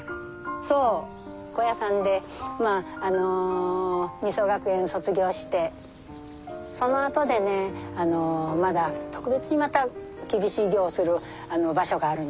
そう高野山で尼僧学園卒業してそのあとでねまだ特別にまた厳しい業をする場所があるのね。